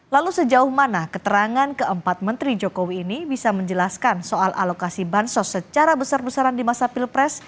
lalu sejauh mana keterangan keempat menteri jokowi ini bisa menjelaskan soal alokasi bansos secara besar besaran di masa pilpres